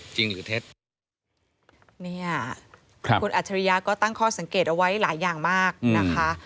จริงหรือเท็จเนี่ยครับคุณอัจฉริยะก็ตั้งข้อสังเกตเอาไว้หลายอย่างมากนะคะ